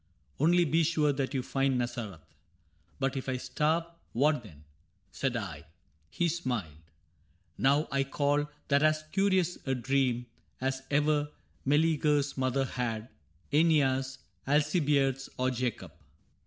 Only be sure that you find Nazareth.' —* But if I starve — what then ?' said I. — He smiled. ^ Now I call that as curious a dream As ever Mcleagcr's mother had, — ^neas, Alcibiades, or Jacob.